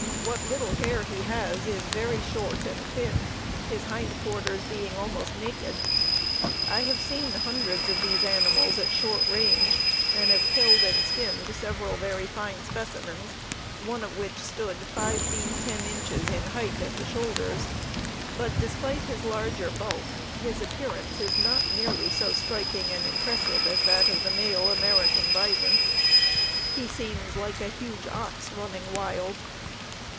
What little hair he has is very short and thin, his hindquarters being almost naked. I have seen hundreds of these animals at short range, and have killed and skinned several very fine specimens, one of which stood 5 feet 10 inches in height at the shoulders. But, despite his larger bulk, his appearance is not nearly so striking and impressive as that of the male American bison. He seems like a huge ox running wild.